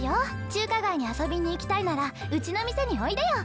中華街にあそびにいきたいならうちのみせにおいでよ。